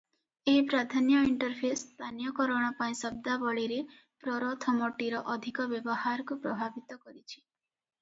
ଏହି ପ୍ରାଧାନ୍ୟ ଇଣ୍ଟରଫେସ ସ୍ଥାନୀୟକରଣ ପାଇଁ ଶବ୍ଦାବଳୀରେ ପ୍ରରଥମଟିର ଅଧିକ ବ୍ୟବହାରକୁ ପ୍ରଭାବିତ କରିଛି ।